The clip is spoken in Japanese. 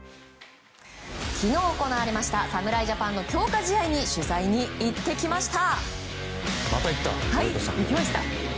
昨日行われた侍ジャパンの強化試合に取材に行ってきました。